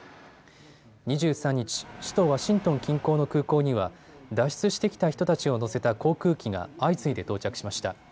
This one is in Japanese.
２３日、首都ワシントン近郊の空港には脱出してきた人たちを乗せた航空機が相次いで到着しました。